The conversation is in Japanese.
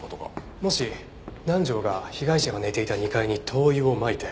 もし南条が被害者が寝ていた２階に灯油をまいて。